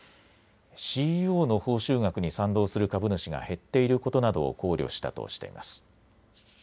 ＣＥＯの報酬額に賛同する株主が減っていることなどを考慮したとしています。